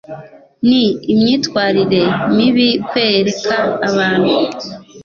Ni imyitwarire mibi kwereka abantu